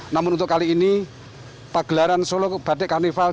namun untuk kali ini pagelaran solo batik karnival